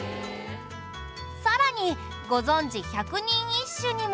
さらにご存じ百人一首にも。